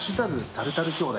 「タルタル兄弟」！